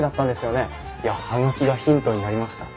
いや葉書がヒントになりました。